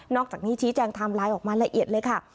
อกจากนี้ชี้แจงไทม์ไลน์ออกมาละเอียดเลยค่ะ